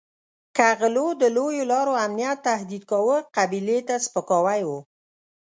که غلو د لویو لارو امنیت تهدید کاوه قبیلې ته سپکاوی وو.